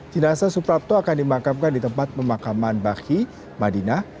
jinasah suprapto akan dimakamkan di tempat pemakaman bakhi madinah